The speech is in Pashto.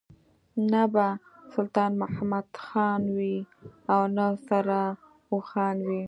نه به سلطان محمد خان وي او نه سره اوښان وي.